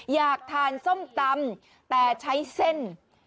อยากทานส้มตำแต่ใช้เส้น